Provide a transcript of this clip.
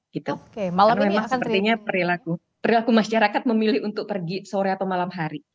karena memang sepertinya perilaku perilaku masyarakat memilih untuk pergi sore atau malam hari